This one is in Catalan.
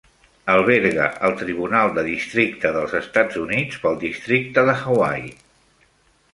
Alberga el Tribunal de Districte dels Estats Units pel districte de Hawaii.